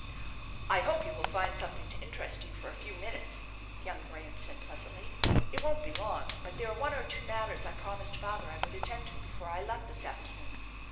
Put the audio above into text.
" I hope you will find something to interest you for a few minutes," young Graham said pleasantly. " It won't be long, but there are one or two matters I promised father I would attend to before I left this afternoon.